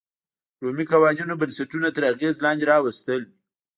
رومي قوانینو بنسټونه تر اغېز لاندې راوستل.